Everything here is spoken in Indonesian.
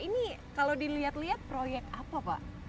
ini kalau dilihat lihat proyek apa pak